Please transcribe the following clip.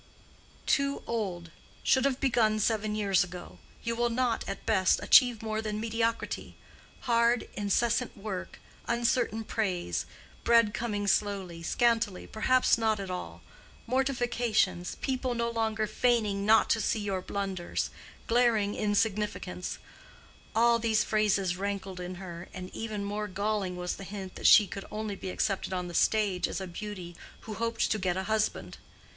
"Too old—should have begun seven years ago—you will not, at best, achieve more than mediocrity—hard, incessant work, uncertain praise—bread coming slowly, scantily, perhaps not at all—mortifications, people no longer feigning not to see your blunders—glaring insignificance"—all these phrases rankled in her; and even more galling was the hint that she could only be accepted on the stage as a beauty who hoped to get a husband.